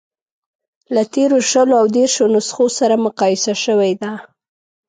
له تېرو شلو او دېرشو نسخو سره مقایسه شوې ده.